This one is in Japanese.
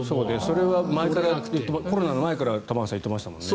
それはコロナの前から玉川さん、言ってましたもんね。